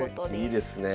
いいですねえ。